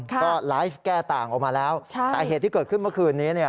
ก็ไลฟ์แก้ต่างออกมาแล้วแต่เหตุที่เกิดขึ้นเมื่อคืนนี้เนี่ย